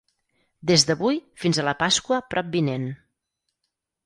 Des d'avui fins a la Pasqua propvinent.